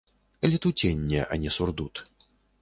Летуценне, а не сурдут.